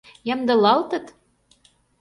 Ямдылалтыт?.